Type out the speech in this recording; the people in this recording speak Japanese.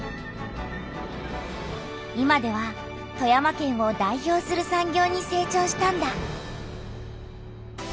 今では富山県を代表する産業にせい長したんだ。